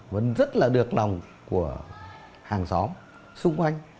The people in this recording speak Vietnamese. vẫn rất là được lòng của hàng xóm